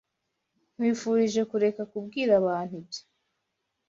Nkwifurije kureka kubwira abantu ibyo.